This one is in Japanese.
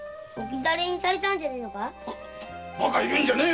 バカ言うんじゃねえ。